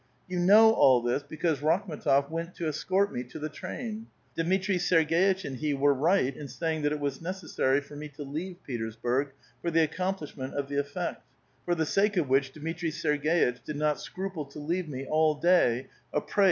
You know all this, because Rakhin6tof went to escort me to the train. Dmitri Serg^itch and he were right in saying that it was necessary for me to leave Petersburg for the accomplishment of the effect, for the sake of which Dmitri Serg^itch did not scru ple to leave me all day a prey